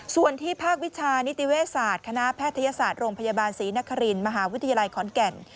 ส่วนที่ภาควิชานิติเวศาสตร์คณะแพทยศาสตร์โรงพยาบาลศรีนครินมหาวิทยาลัยขอนแก่น